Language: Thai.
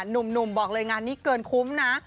หนุ่มบอกเลยงานนี้เกินคุ้มนะ